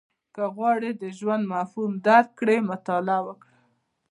• که غواړې د ژوند مفهوم درک کړې، مطالعه وکړه.